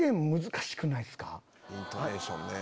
イントネーションね。